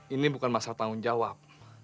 ini bukan masalah tanggung jawab